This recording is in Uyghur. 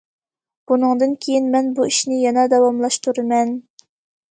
بۇنىڭدىن كېيىن مەن بۇ ئىشنى يەنە داۋاملاشتۇرىمەن.